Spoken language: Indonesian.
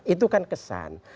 itu kan kesan